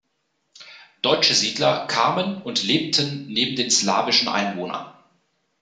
Deutsche Siedler kamen und lebten neben den slawischen Einwohnern.